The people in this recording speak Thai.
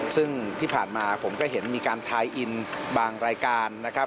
ซึ่งที่ผ่านมาผมก็เห็นมีการทายอินบางรายการนะครับ